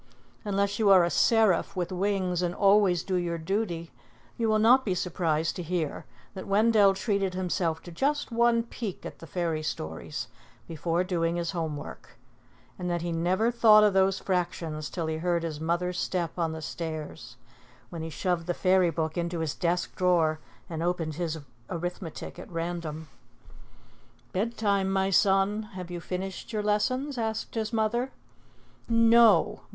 Unless you are a seraph with wings and always do your duty, you will not be surprised to hear that Wendell treated himself to just one peek at the fairy stories before doing his home work, and that he never thought of those fractions till he heard his mother's step on the stairs, when he shoved the fairy book into his desk drawer and opened his arithmetic at random. "Bedtime, my son. Have you finished your lessons?" asked his mother. "No!